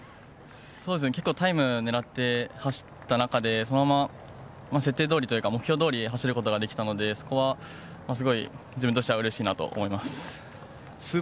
結構タイムを狙って走った中でそのまま設定どおりというか目標どおりに走れたのでそこはすごい自分としてはうれしいなと思います。